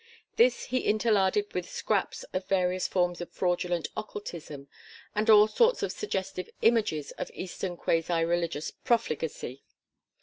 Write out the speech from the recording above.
This he interlarded with scraps of various forms of fraudulent occultism and all sorts of suggestive images of eastern quasi religious profligacy.